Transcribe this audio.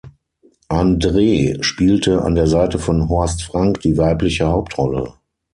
Andree spielte an der Seite von Horst Frank die weibliche Hauptrolle.